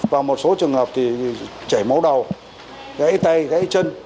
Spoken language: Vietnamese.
và một số trường hợp thì chảy máu đầu gãy tay gãy chân